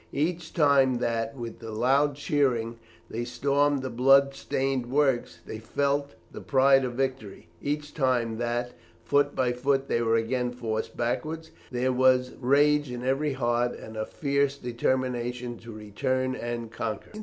Each time that, with loud cheering, they stormed the blood stained works, they felt the pride of victory; each time that, foot by foot, they were again forced backwards, there was rage in every heart and a fierce determination to return and conquer.